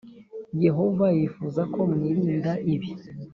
Yehova yifuza ko wirinda ibi